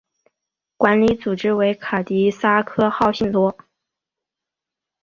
管理组织为卡蒂萨克号信托。